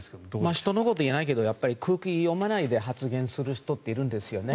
人のことを言えないけど空気を読まないで発言する人っているんですよね。